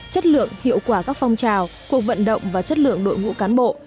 chất lượng hiệu quả các phong trào cuộc vận động và chất lượng đội ngũ cán bộ